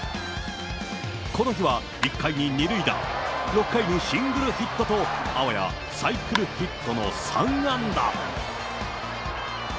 この日は１回に２塁打、６回にシングルヒットと、あわやサイクルヒットの３安打。